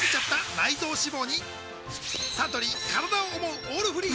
サントリー「からだを想うオールフリー」